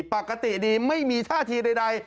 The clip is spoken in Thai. ปกติดีไม่มีท่าทีใด